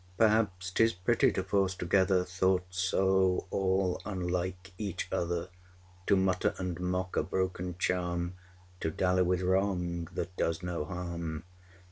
665 Perhaps 'tis pretty to force together Thoughts so all unlike each other; To mutter and mock a broken charm, To dally with wrong that does no harm.